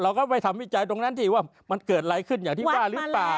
เราก็ไปทำวิจัยตรงนั้นสิว่ามันเกิดอะไรขึ้นอย่างที่ว่าหรือเปล่า